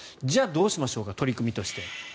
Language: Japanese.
じゃあどうしましょうか取り組みとして。